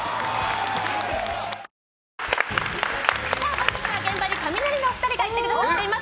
本日は現場にカミナリのお二人が行ってくださっています。